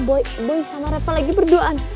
boy sama reta lagi berdoaan